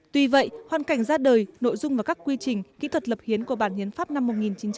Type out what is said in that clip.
tuy vậy hoàn cảnh ra đời nội dung và các quy trình kỹ thuật lập hiến của bản hiến pháp năm một nghìn chín trăm ba mươi